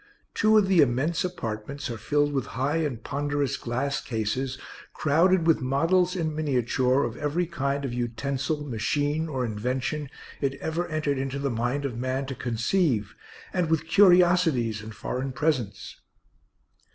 Two of the immense apartments are filled with high and ponderous glass cases crowded with models in miniature of every kind of utensil, machine, or invention it ever entered into the mind of man to conceive, and with curiosities and foreign presents.